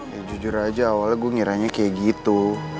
ya jujur aja awalnya gue ngiranya kayak gitu